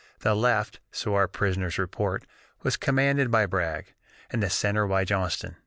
The left, so our prisoners report, was commanded by Bragg, and the center by Johnston.